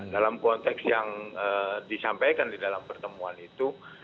dalam konteks yang disampaikan di dalam pertemuan itu